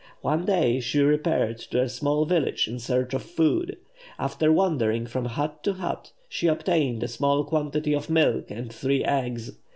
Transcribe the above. One day she repaired to a small village in search of food. After wandering from hut to hut, she obtained a small quantity of milk and three eggs.